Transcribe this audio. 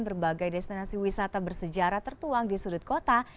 berbagai destinasi wisata bersejarah tertuang di sudut kota